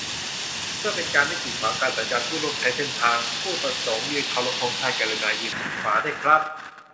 เพื่อเป็นการไม่กีดขวางการสัญจรผู้ร่วมใช้เส้นทาง ผู้ประสงค์ยืนเคารพธงชาติ กรุณายืนชิดขวาด้วยครับ